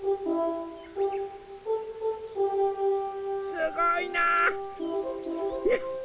すごいな！よしっ！